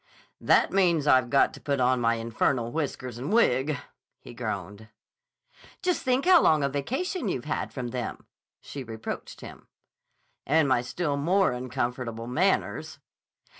"That means I've got to put on my infernal whiskers and wig!" he groaned. "Just think how long a vacation you've had from them," she reproached him. "And my still more uncomfortable manners."